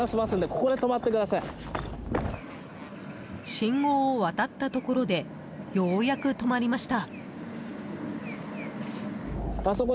信号を渡ったところでようやく止まりました。